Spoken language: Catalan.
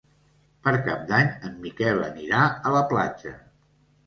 Per Cap d'Any en Miquel anirà a la platja.